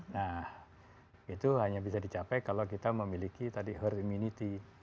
nah itu hanya bisa dicapai kalau kita memiliki tadi herd immunity